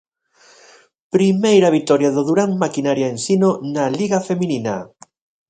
Primeira vitoria do Durán Maquinaria Ensino na Liga feminina.